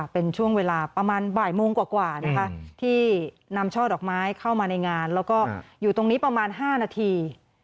เป็นช่วงเวลาประมาณบ่ายโมงกว่านะคะที่นำช่อดอกไม้เข้ามาในงานแล้วก็อยู่ตรงนี้ประมาณ๕นาที